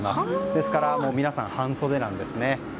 ですから皆さん半袖なんですね。